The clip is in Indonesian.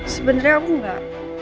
sebenarnya aku nggak